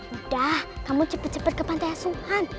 udah kamu cepet cepet ke pantiasuhan